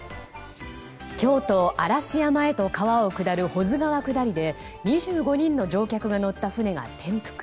京都・嵐山へと川を下る保津川下りで２５人の乗客が乗った船が転覆。